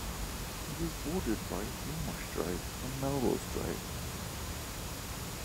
It is bordered by Hindmarsh Drive and Melrose Drive.